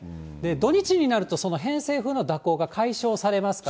土日になると、その偏西風の蛇行が解消されますから。